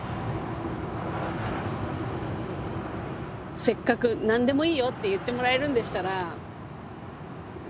せっかく何でもいいよって言ってもらえるんでしたらいや